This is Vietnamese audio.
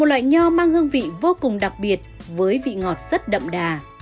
một loại nho mang hương vị vô cùng đặc biệt với vị ngọt rất đậm đà